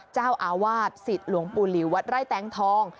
เจ้าอาวาสสิทธิ์หลวงปู่หลิววัดไร่แตงทอง